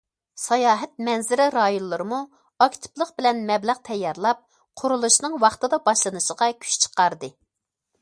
ساياھەت مەنزىرە رايونلىرىمۇ ئاكتىپلىق بىلەن مەبلەغ تەييارلاپ، قۇرۇلۇشنىڭ ۋاقتىدا باشلىنىشىغا كۈچ چىقاردى.